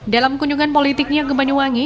dalam kunjungan politiknya ke banyuwangi